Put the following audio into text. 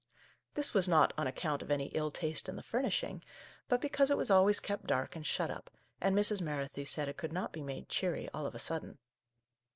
This was not on account of any ill taste in the furnishing, but because it was always kept dark and shut up, and Mrs. Merrithew said it could not be made cheery all of a sudden.